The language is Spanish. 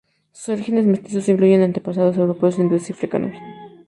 Sus orígenes mestizos incluyen antepasados europeos, hindúes y africanos.